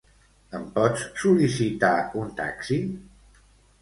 Em pots sol·licitar un taxi?